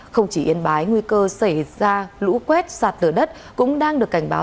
không chỉ yên bái nguy cơ xảy ra lũ quét sạt lở đất cũng đang được cảnh báo